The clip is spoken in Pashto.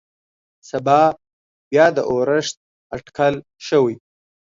سبا بيا د اورښت اټکل شوى.